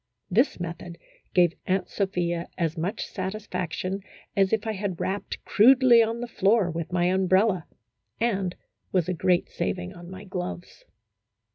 This method gave Aunt Sophia as much satisfaction as if I had rapped crudely on the floor with my um brella, and was a great saving on my gloves.